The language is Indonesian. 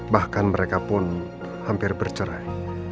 bahkan mereka pun hampir bercerai